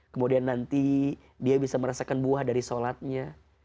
kemudian nanti dia bisa merasakan buah dari sholatnya